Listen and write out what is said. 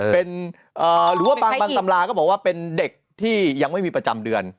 หรือว่าบางตำราก็บอกว่าเป็นเด็กที่ยังไม่มีประจำเดือน